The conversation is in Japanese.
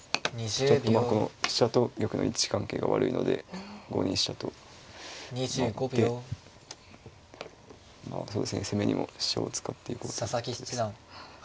ちょっとまあこの飛車と玉の位置関係が悪いので５二飛車と回って攻めにも飛車を使っていこうということですね。